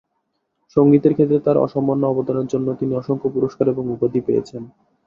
সংগীতের ক্ষেত্রে তাঁর অসামান্য অবদানের জন্য তিনি অসংখ্য পুরস্কার এবং উপাধি পেয়েছেন।